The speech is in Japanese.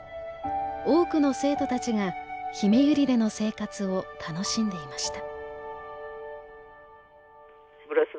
多くの生徒たちがひめゆりでの生活を楽しんでいました。